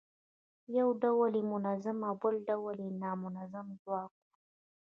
یو ډول یې منظم او بل ډول یې نامنظم ځواک و.